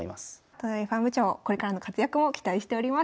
都成ファーム長これからの活躍も期待しております。